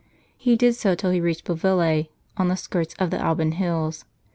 He did so till he reached Bovilla?, on the skirts of the Alban hills.